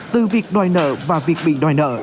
từ việc đòi nợ và việc bị đòi nợ